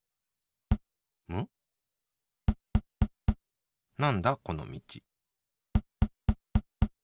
むっなんだこのみち。